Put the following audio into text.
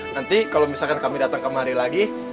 nanti kalau misalkan kami datang kemari lagi